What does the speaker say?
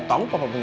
yang lu kangen